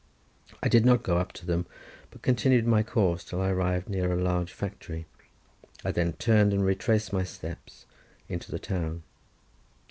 I did not go up to them, but continued my course till I arrived near a large factory. I then turned and retraced my steps into the town.